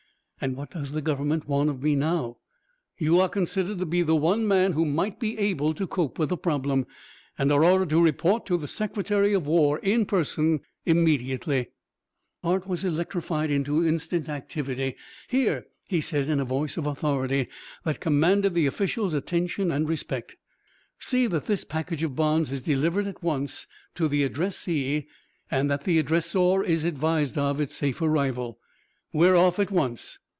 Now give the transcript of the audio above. "And what does the government want of me now?" "You are considered to be the one man who might be able to cope with the problem, and are ordered to report to the Secretary of War, in person, immediately." Hart was electrified into instant activity. "Here," he said in a voice of authority that commanded the official's attention and respect, "see that this package of bonds is delivered at once to the addressee and that the addressor is advised of its safe arrival. We're off at once."